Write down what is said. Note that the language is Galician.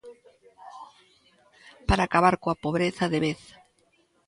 Para acabar coa pobreza de vez.